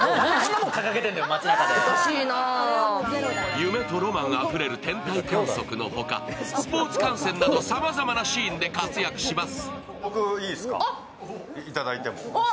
夢とロマンあふれる天体観測のほか、スポーツ観戦などさまざまなシーンで活躍します。